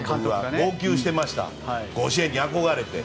号泣していました甲子園に憧れて。